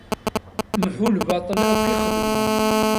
Mḥu lbaṭel akk i xedmeɣ.